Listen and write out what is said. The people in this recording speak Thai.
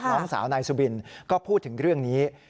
น้องสาวนายสุบินก็พูดถึงเรื่องนี้